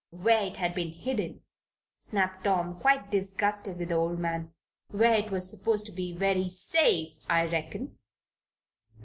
"Where it had been hidden," snapped Tom, quite disgusted with the old man. "Where it was supposed to be very safe, I reckon."